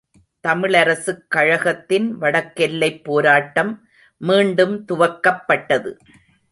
தமிழரசுக் கழகத்தின் வடக்கெல்லைப்போராட்டம் மீண்டும் துவக்கப்பட்டது.